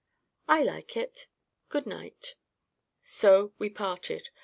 "I like it. Good night." So we parted.